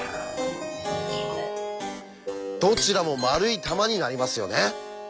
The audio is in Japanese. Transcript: どちらも丸い球になりますよね。